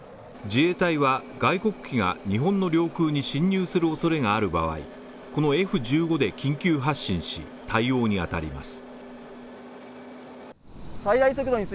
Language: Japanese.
自衛隊は外国機が日本の領空に侵入するおそれがある場合、このＦ−１５で緊急発進し、対応にあたります。